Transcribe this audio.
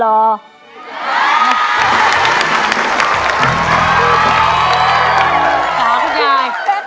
ต่อคุณยาย